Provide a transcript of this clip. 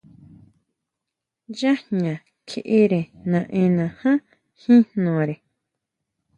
Yá jña kjiʼire naʼenna ján jin jnore.